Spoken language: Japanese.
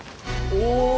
お！